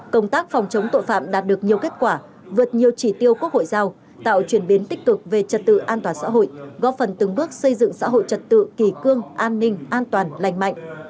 công tác phòng chống tội phạm đạt được nhiều kết quả vượt nhiều chỉ tiêu quốc hội giao tạo chuyển biến tích cực về trật tự an toàn xã hội góp phần từng bước xây dựng xã hội trật tự kỳ cương an ninh an toàn lành mạnh